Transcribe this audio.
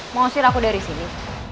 mau usir aku dari sini